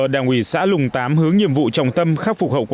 đấy cách như thế